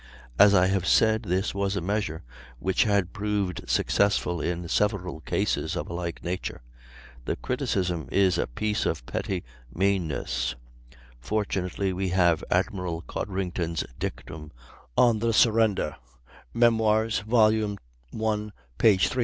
As I have said, this was a measure which had proved successful in several cases of a like nature; the criticism is a piece of petty meanness. Fortunately we have Admiral Codrington's dictum on the surrender ("Memoirs," vol. 1, p. 310), which he evidently considered as perfectly honorable.